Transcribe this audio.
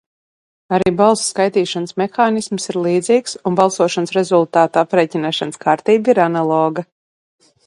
Arī balsu skaitīšanas mehānisms ir līdzīgs, un balsošanas rezultātu aprēķināšanas kārtība ir analoga.